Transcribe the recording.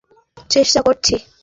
আমরা কিছু করার চেষ্টা করছি।